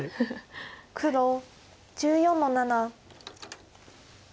黒１４の七。